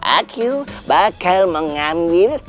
aku bakal mengambil